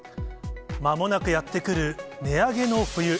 まもなくやって来る値上げの冬。